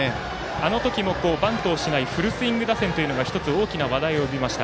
あの時もバントをしないフルスイング打線というのが１つ、大きな話題を呼びました。